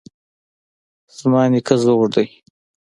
زما نیکه زوړ دی